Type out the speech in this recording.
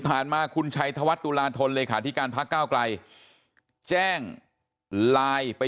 ผ่านมาคุณชัยทวัฒน์ตุลาทนเลยค่ะที่การพักเก้าไกลแจ้งไลน์ไป